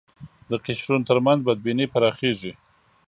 د قشرونو تر منځ بدبینۍ پراخېږي